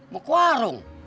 mau ke warung